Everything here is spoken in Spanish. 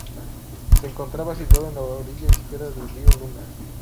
Se encontraba situado en la orilla izquierda del río Luna.